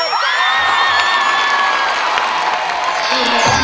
สุดท้าย